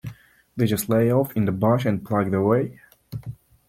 They just lay off in the bush and plugged away.